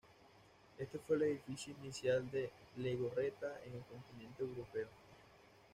Este fue el edificio inicial de Legorreta en el continente europeo.